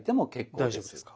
大丈夫ですか。